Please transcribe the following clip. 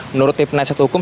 menurut tim penyelidikan hukum